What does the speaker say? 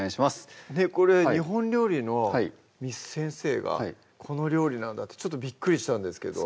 これ日本料理の簾先生がこの料理なんだってちょっとビックリしたんですけど